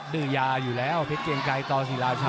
ดื้อยาอยู่แล้วเพชรเกียงไกรต่อศิราชา